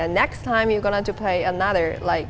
dan lain kali kamu akan mempelajari yang lain